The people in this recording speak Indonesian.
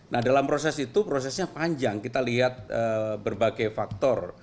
nah dalam proses itu prosesnya panjang kita lihat berbagai faktor